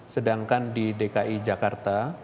sedangkan di dki jakarta